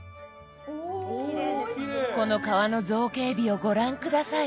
この皮の造形美をご覧下さい。